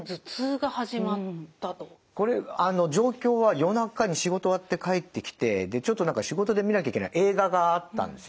これ状況は夜中に仕事終わって帰ってきてちょっと何か仕事で見なきゃいけない映画があったんですよ。